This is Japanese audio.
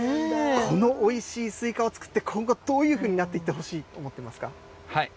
このおいしいスイカを作って、今後、どういうふうになっていってほしいと思ってますか？